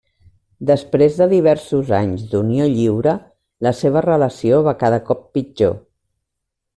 Després de diversos anys d'unió lliure, la seva relació va cada cop pitjor.